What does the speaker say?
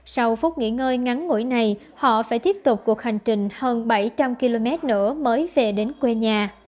sau phút nghỉ ngơi ngắn ngủi này họ phải tiếp tục cuộc hành trình hơn bảy trăm linh km nữa mới về đến quê nhà